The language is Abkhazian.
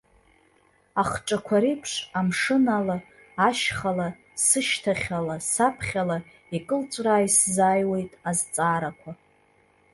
Ахҿақәа реиԥш амшын ала, ашьхала, сышьҭахьала, саԥхьала икылҵәраа исзааиуеит азҵаарақәа.